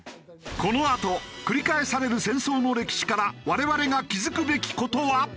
このあと繰り返される戦争の歴史から我々が気付くべき事は？